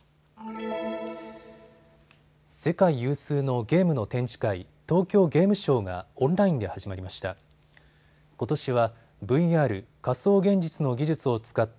世界有数のゲームの展示会、東京ゲームショウがオンラインで始まりました。